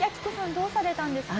どうされたんですか？